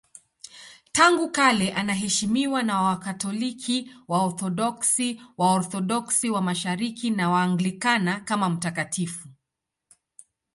Tangu kale anaheshimiwa na Wakatoliki, Waorthodoksi, Waorthodoksi wa Mashariki na Waanglikana kama mtakatifu.